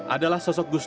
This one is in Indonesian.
adalah sosok gusur